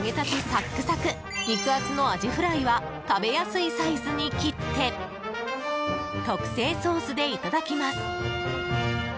サックサク肉厚のアジフライは食べやすいサイズに切って特製ソースでいただきます。